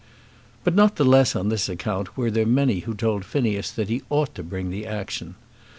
But not the less on this account were there many who told Phineas that he ought to bring the action.